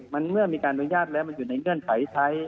เมื่อมีการอนุญาตแล้วมันเห็นในเงื่อนไภท้าย